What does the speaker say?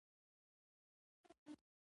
خادم وویل اوه صاحبه تاسي ډېر مهربان یاست.